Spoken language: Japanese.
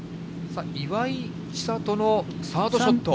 さあ岩井千怜のサードショット。